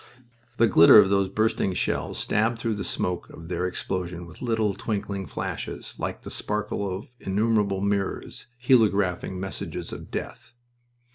The glitter of those bursting shells stabbed through the smoke of their explosion with little, twinkling flashes, like the sparkle of innumerable mirrors heliographing messages of death.